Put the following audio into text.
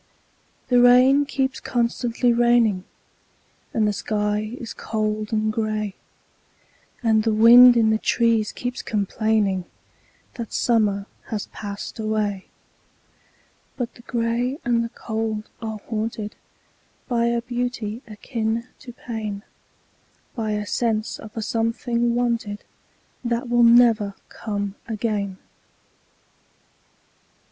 The rain keeps constantly raining, And the sky is cold and gray, And the wind in the trees keeps complainingThat summer has passed away;—But the gray and the cold are hauntedBy a beauty akin to pain,—By a sense of a something wanted, That never will come again.